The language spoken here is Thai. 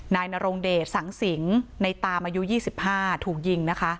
นายนรงเดชสังสิงในตามอายุ๒๕ถูกยิงนะคะ